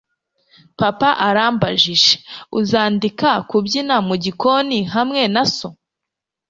papa arambajije, uzandika kubyina mu gikoni hamwe na so